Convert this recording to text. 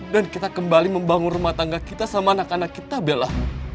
dan kita kembali membangun rumah tangga kita sama anak anak kita bella